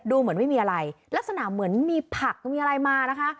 เหมือนไม่มีอะไรลักษณะเหมือนมีผักมีอะไรมานะคะ